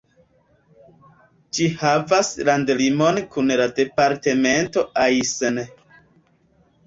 Ĝi havas landlimon kun la departemento Aisne.